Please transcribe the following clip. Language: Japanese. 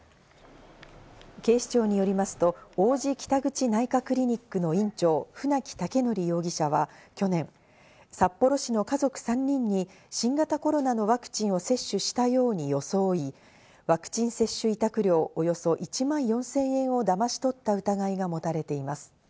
警視庁によりますと、王子北口内科クリニックの院長・船木威徳容疑者は去年、札幌市の家族３人に新型コロナのワクチンを接種したように装い、ワクチン接種委託料およそ１万４０００円をだまし取った疑いが持たれています。